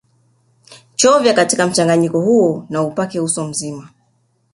Chovya katika mchanganyiko huo na upake uso mzima